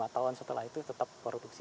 lima tahun setelah itu tetap produksi